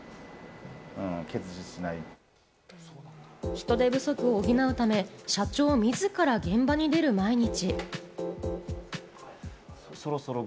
人手不足を補うため、社長みずから現場に出る毎日。